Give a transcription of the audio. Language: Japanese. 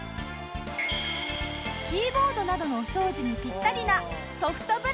キーボードなどのお掃除にぴったりなソフトブラシ。